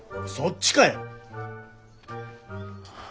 そっちかよ。